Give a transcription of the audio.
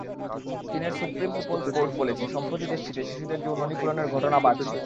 চীনের Supreme People's Court বলছে, সম্প্রতি দেশটিতে শিশুদের যৌন নিপীড়নের ঘটনা বাড়ছে।